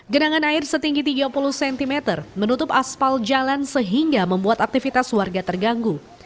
genangan air setinggi tiga puluh cm menutup aspal jalan sehingga membuat aktivitas warga terganggu